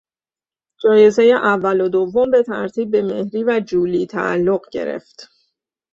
جایزهی اول و دوم به ترتیب به مهری و جولی تعلق گرفت.